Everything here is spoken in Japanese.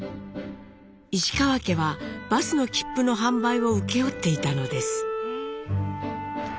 石川家はバスの切符の販売を請け負っていたのです。